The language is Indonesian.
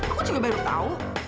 aku juga baru tau